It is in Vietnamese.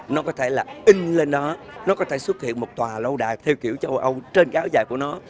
nó có thể là in lên nó có thể xuất hiện một tòa lâu đài theo kiểu châu âu trên áo dài của nó